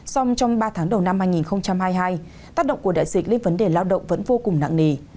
song trong ba tháng đầu năm hai nghìn hai mươi hai tác động của đại dịch lên vấn đề lao động vẫn vô cùng nặng nề